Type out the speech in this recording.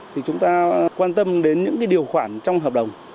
thì chúng ta quan tâm đến những điều khoản trong hợp đồng